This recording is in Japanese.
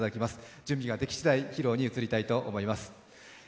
準備ができしだい披露に移りたいと思います。